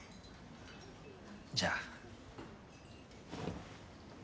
じゃあ。